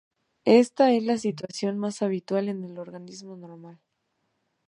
Esta es la situación más habitual en el organismo normal.